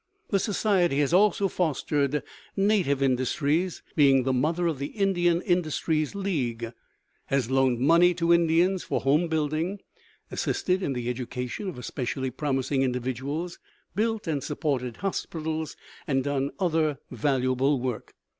The society has also fostered native industries, being the mother of the Indian Industries League; has loaned money to Indians for home building; assisted in the education of especially promising individuals; built and supported hospitals, and done other valuable work.